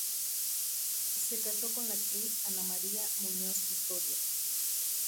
Se casó con la actriz Ana María Muñoz Custodio.